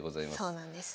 そうなんです。